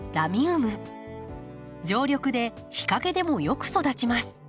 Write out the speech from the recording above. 常緑で日かげでもよく育ちます。